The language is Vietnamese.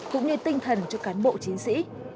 cũng như tinh thần cho cán bộ chiến sĩ